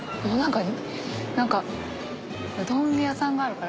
何かうどん屋さんがあるからかな？